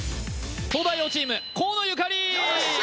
東大王チーム河野ゆかり